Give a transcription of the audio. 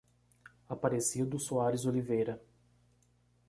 Aparecido Soares Oliveira